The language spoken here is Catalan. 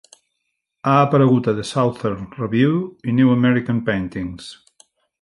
Ha aparegut a The Southern Review i New American Paintings.